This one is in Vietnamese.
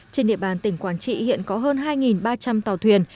trên địa bàn tỉnh quảng trị hiện có hơn hai ba trăm linh tàu thuyền